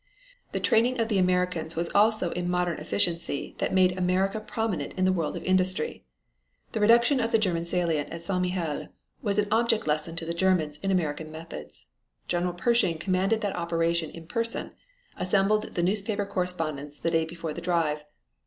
The training of the Americans was also in modern efficiency that made America prominent in the world of industry. The reduction of the German salient at St. Mihiel was an object lesson to the Germans in American methods. General Pershing commanding that operation in person, assembled the newspaper correspondents the day before the drive.